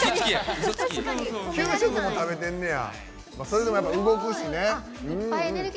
９食も食べてんねや。